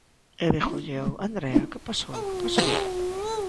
E dígolle eu: Andrea, que pasou, que pasou?